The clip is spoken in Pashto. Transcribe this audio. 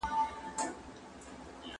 موږ د حضرت عمر بن خطاب تر نامې قربان سو.